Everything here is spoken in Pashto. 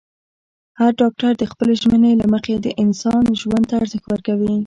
هر ډاکټر د خپلې ژمنې له مخې د انسان ژوند ته ارزښت ورکوي.